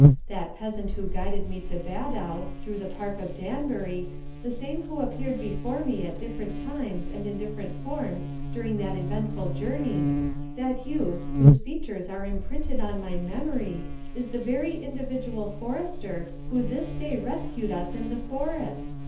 That peasant who guided me to Baddow through the Park of Danbury, the same who appeared before me at different times and in different forms during that eventful journey that youth, whose features are imprinted on my memory, is the very individual forester who this day rescued us in the forest.